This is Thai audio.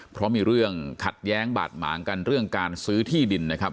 เพราะมีเรื่องขัดแย้งบาดหมางกันเรื่องการซื้อที่ดินนะครับ